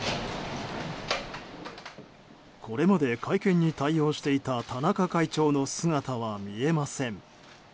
これまで会見に対応していた田中会長の姿は見えません。